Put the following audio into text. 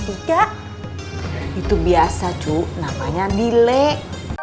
itu biasa cu namanya delay